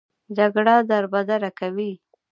جګړه دربدره کوي